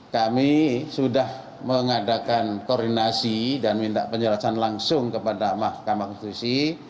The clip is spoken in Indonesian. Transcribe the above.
kami sudah mengadakan koordinasi dan minta penjelasan langsung kepada mahkamah konstitusi